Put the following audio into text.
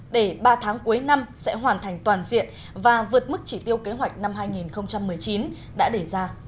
để ba tháng cuối năm sẽ hoàn thành toàn diện và vượt mức chỉ tiêu kế hoạch năm hai nghìn một mươi chín đã đề ra